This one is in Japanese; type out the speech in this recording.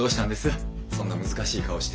そんな難しい顔して。